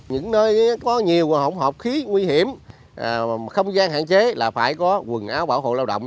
những nơi có nhiều hỗn hợp khí nguy hiểm không gian hạn chế là phải có quần áo bảo hộ lao động